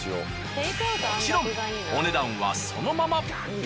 もちろんお値段はそのまま。